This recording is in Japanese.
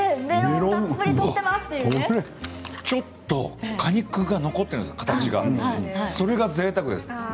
ちょっと果肉が残っているんです、それがぜいたくです。